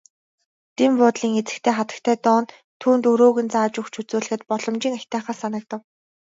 Дэн буудлын эзэгтэй хатагтай Дооне түүнд өрөөг нь зааж өгч үзүүлэхэд боломжийн аятайхан санагдав.